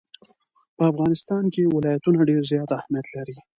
په افغانستان کې ولایتونه ډېر زیات اهمیت لري.